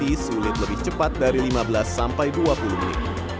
ini sulit lebih cepat dari lima belas sampai dua puluh menit